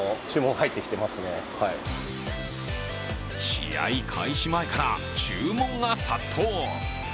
試合開始前から注文が殺到。